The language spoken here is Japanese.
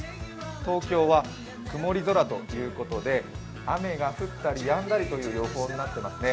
東京は曇り空ということで、雨が降ったりやんだりという予報になっていますね。